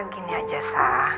gini aja sah